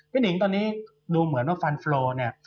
หนิงตอนนี้ดูเหมือนว่าฟันโฟลเนี่ย